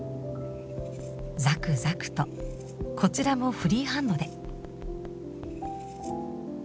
ザクザクとこちらもフリーハンドで。